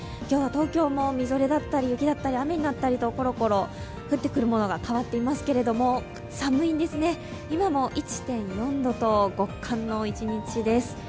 今日は東京もみぞれだったり雪だったり雨になったりとコロコロ降ってくるものが変わっていますけど寒いんですね、今も１．４度と極寒の一日です。